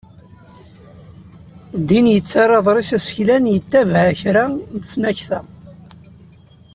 Ddin yettarra aḍris aseklan yettabaɛ kra n tesnakta.